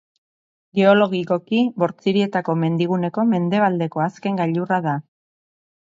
Geologikoki, Bortzirietako mendiguneko mendebaldeko azken gailurra da.